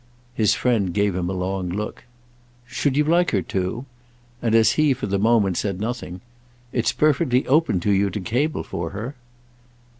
His friend gave him a long look. "Should you like her to?" And as he for the moment said nothing: "It's perfectly open to you to cable for her."